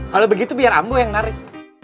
kalau begitu biar kamu yang menarik